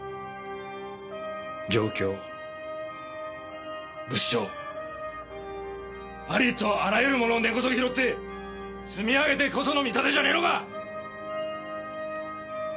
状況物証ありとあらゆるものを根こそぎ拾って積み上げてこその見立てじゃねえのか！